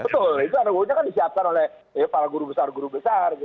betul itu ruu nya kan disiapkan oleh para guru besar guru besar